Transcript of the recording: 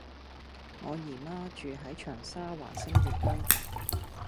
我姨媽住喺長沙灣昇悅居